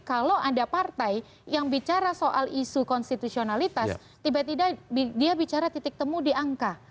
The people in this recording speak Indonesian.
kalau ada partai yang bicara soal isu konstitusionalitas tiba tiba dia bicara titik temu di angka